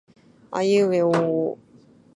あいうえおおお